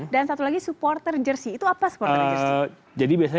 dan satu lagi supporter jersi itu apa supporter jersi